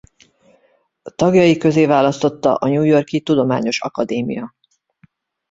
Tagjai közé választotta a New York-i Tudományos Akadémia.